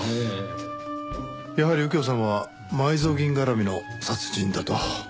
やはり右京さんは埋蔵金絡みの殺人だと？